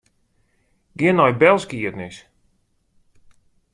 Gean nei belskiednis.